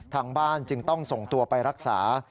ทางบ้านจึงต้องส่งตัวไปรักษา